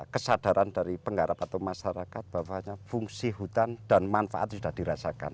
kesadaran dari penggarap atau masyarakat bahwa fungsi hutan dan manfaat sudah dirasakan